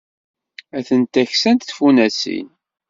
Atent-a ksant tfunasin.